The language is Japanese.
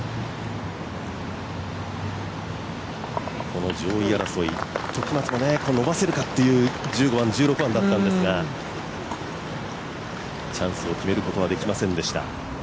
この上位争い、時松も伸ばせるかっていう１５番、１６番だったんですがチャンスを決めることはできませんでした。